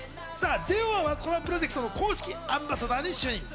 ＪＯ１はこのプロジェクトの公式アンバサダーに就任。